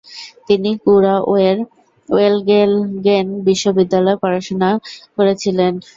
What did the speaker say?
তিনি কুরাওয়ের ওয়েলগেলগেন বিদ্যালয়ে পড়াশোনা করেছিলেন।